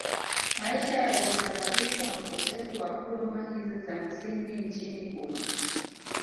Maisha yaliyosababishwa na ukosefu wa huduma hizo za msingi nchini humo